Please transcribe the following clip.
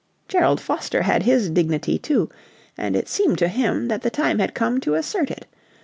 Gerald Foster had his dignity, too, and it seemed to him that the time had come to assert it.